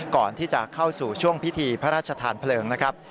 ก่อนที่จะเข้าสู่ช่วงพิธีพระราชทานเพลิงนะครับ